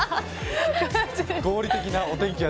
合理的なお天気が。